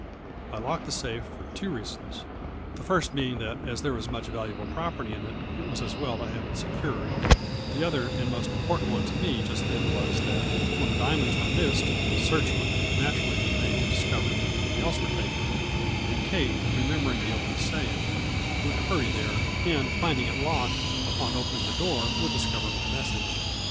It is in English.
I locked the safe for two reasons ; the first being that, as there was much valuable property in it, it was as well to have it secured ; the other and most important one to me just then was, that, when the diamonds were missed, search would naturally be made to discover if anything else were taken, and Kate, remembering the open safe, would hurry there, and, finding it locked, upon opening the door would discover my mes sage.